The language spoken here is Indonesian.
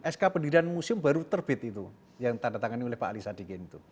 sk pendirian musium baru terbit itu yang tandatangani oleh pak ali sadiqin